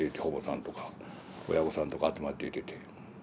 保母さんとか親御さんとか集まっていてて。